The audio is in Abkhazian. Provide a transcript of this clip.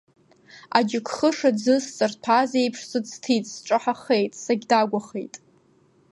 Аџьыкхыш аӡы зҵарҭәаз еиԥш сыӡҭит, сҿаҳахеит, сагьдагәахеит…